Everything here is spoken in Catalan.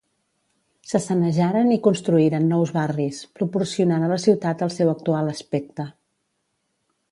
Se sanejaren i construïren nous barris, proporcionant a la ciutat el seu actual aspecte.